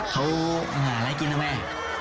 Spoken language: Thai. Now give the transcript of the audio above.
เขาหาอะไรกินนะแม่